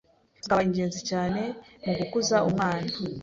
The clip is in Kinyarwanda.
zikaba ingenzi cyane mu gukuza umwana